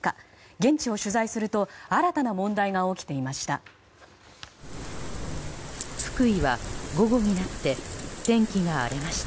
現地を取材すると新たな問題が起きていました。